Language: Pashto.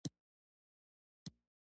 مه ناهيلی کېږه! ډاډه اوسه! هرحالت تېرېږي.